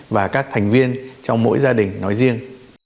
và các thành viên trong mỗi gia đình nói riêng